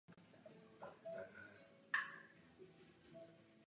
Pozorovány byly i změny imunitního systému.